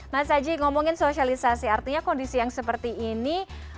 mas aji ngomongin sosialisasi artinya kondisi yang seperti ini